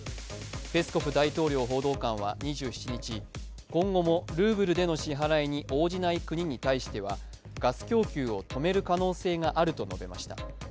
ペスコフ大統領報道官は２７日、今後もルーブルでの支払いに応じない国に対してはガス供給を止める可能性があると述べました。